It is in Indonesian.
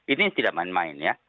ini tidak main main ya